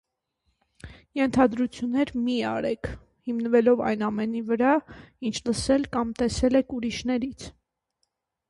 Ենթադրություններ մի’ արեք՝ հիմնվելով այն ամենի վրա, ինչ լսել կամ տեսել եք ուրիշներից: